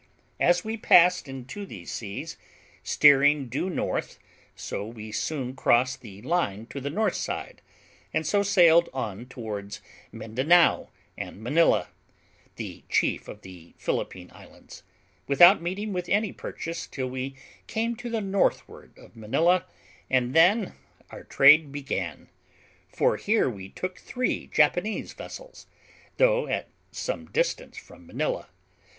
As we passed into these seas, steering due north, so we soon crossed the line to the north side, and so sailed on towards Mindanao and Manilla, the chief of the Philippine Islands, without meeting with any purchase till we came to the northward of Manilla, and then our trade began; for here we took three Japanese vessels, though at some distance from Manilla.